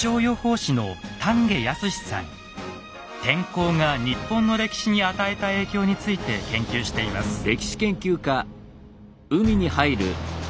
天候が日本の歴史に与えた影響について研究しています。